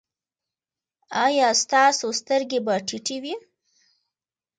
ایا ستاسو سترګې به ټیټې وي؟